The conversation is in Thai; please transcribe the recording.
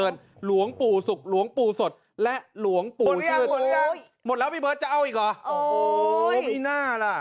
เยอะมากอ่ะ